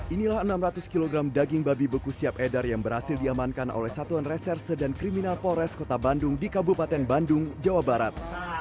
inilah enam ratus kg daging babi beku siap edar yang berhasil diamankan oleh satuan reserse dan kriminal polres kota bandung di kabupaten bandung jawa barat